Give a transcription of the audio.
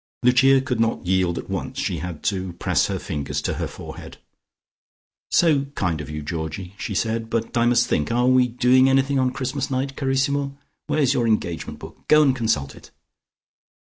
Lucia could not yield at once. She had to press her fingers to her forehead. "So kind of you, Georgie," she said, "but I must think. Are we doing anything on Christmas night, carrissimo? Where's your engagement book? Go and consult it."